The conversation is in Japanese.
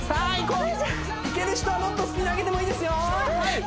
こういける人はもっとスピード上げてもいいですよ